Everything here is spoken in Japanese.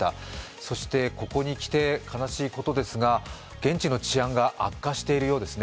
そしてここにきて悲しいことですが、現地の治安が、悪化しているようですね。